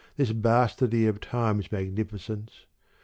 This bastardy of time's magnificence.